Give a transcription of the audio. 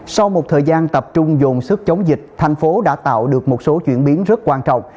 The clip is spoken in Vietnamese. sau một thời gian tập trung dồn sức chống dịch thành phố đã tạo được một số chuyển biến rất quan trọng